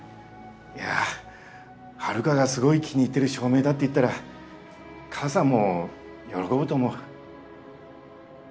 いやハルカがすごい気に入ってる照明だって言ったら母さんも喜ぶと思う。